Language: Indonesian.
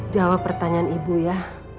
jawab pertanyaan ibu ya